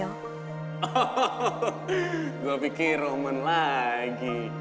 hahaha gue pikir roman lagi